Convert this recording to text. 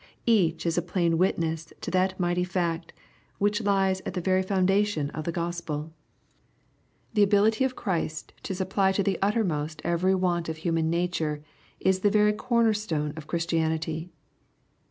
Each is a plain witness to that mighty fact, which lies at the very foundation of the Gospel. The LUKE, CHAP. IV, 127 ability of Cbmt to supply to the uttermost every want of human nature, is the very corner stone of Christianity.